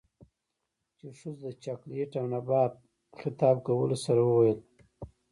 ،چـې ښـځـو تـه د چـاکـليـت او نـبات خـطاب کـولـو سـره وويل.